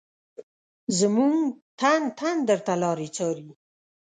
زمونږ تن تن درته لاري څاري